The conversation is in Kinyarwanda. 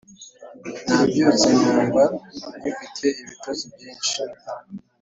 nabyutse numva nkifite ibitotsi byinshi